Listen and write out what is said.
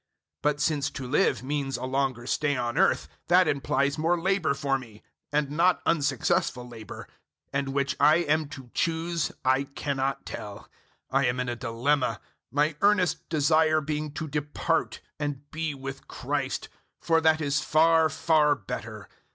001:022 But since to live means a longer stay on earth, that implies more labour for me and not unsuccessful labour; and which I am to choose I cannot tell. 001:023 I am in a dilemma, my earnest desire being to depart and be with Christ, for that is far, far better.